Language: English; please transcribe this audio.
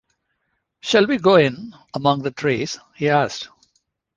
“Shall we go in among the trees?” he asked.